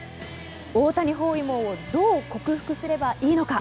大谷包囲網をどう克服すればいいのか。